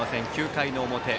９回の表。